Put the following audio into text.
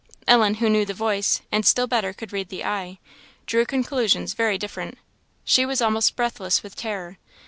Ellen, who knew the voice, and still better could read the eye, drew conclusions very different. She was almost breathless with terror.